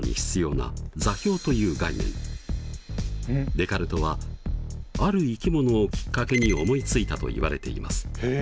デカルトはある生き物をきっかけに思いついたといわれています。